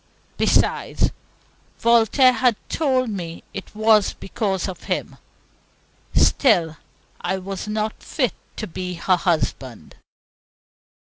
Besides, Voltaire had told me it was because of him. Still, I was not fit to be her husband.